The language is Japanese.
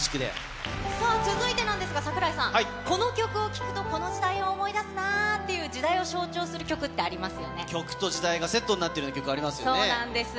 さあ続いてなんですが、櫻井さん、この曲を聴くと、この時代を思い出すなっていう、時代を象徴する曲と時代がセットになってるそうなんです。